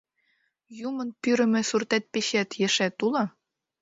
Юмын пӱрымӧ суртет-печет, ешет уло?